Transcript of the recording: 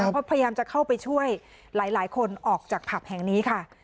เพราะพยายามจะเข้าไปช่วยหลายคนออกจากผับแห่งนี้ค่ะ